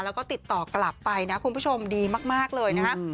แล้วก็ติดต่อกลับไปนะคุณผู้ชมดีมากเลยนะฮะ